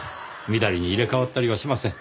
みだりに入れ替わったりはしません。